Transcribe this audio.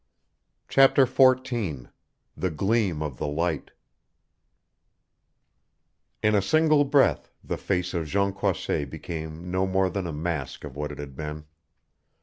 CHAPTER XIV THE GLEAM OF THE LIGHT In a single breath the face of Jean Croisset became no more than a mask of what it had been.